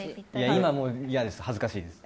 今、もう嫌です。